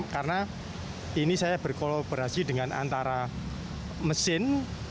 karena ini saya berkolaborasi dengan antara mesin